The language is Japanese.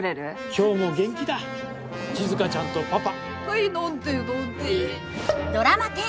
今日も元気だ静ちゃんとパパ。